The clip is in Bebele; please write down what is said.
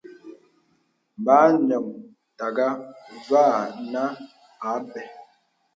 Bà ànioŋ tàgā və̂ nà àbə.